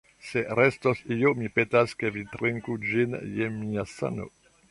Se restos io, mi petas, ke vi trinku ĝin je mia sano.